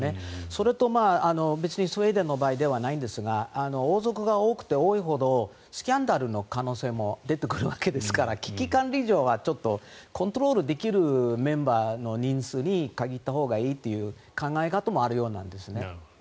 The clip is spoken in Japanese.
それと別にスウェーデンの場合ではないんですが王族が多ければ多いほどスキャンダルの可能性も出てくるわけですから危機管理上はコントロールできるメンバーの人数に限ったほうがいいという考え方もあるようなんですね。